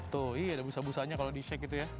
tuh iya ada busa busanya kalau di shake gitu ya